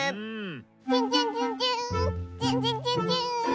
チュンチュンチュンチューンチュンチュンチュンチューン。